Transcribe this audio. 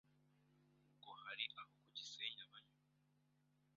Ubwo hari aho ku Gisenyi abanyura